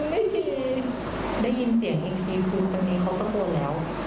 ไม่ยินเสียงอีกทีคือคนนี้เขาต้องโกรธแล้ว